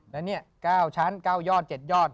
แล้วนี่เก้าชั้นเก้ายอดเก็ดยอด